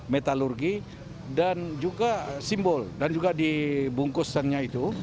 metalurgi dan juga simbol dan juga di bungkusannya itu